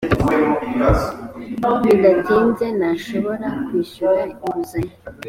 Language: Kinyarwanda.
bidatinze ntashobora kwishyura inguzanyo